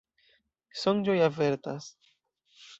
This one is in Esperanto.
Sonĝoj avertas.